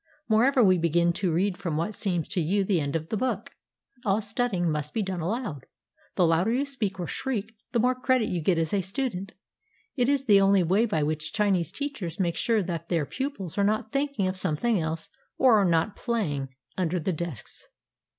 Moreover, we begin to read from what seems to you the end of the book. All studying must be done aloud. The louder you speak or shriek, the more credit you get as a student. It is the only way by which Chinese teachers make sure that their pupils are not thinking of something else or are not play ing under the desks.